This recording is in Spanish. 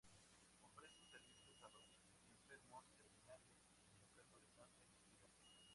Ofrecen servicios a los enfermos terminales, enfermos de cáncer y sida.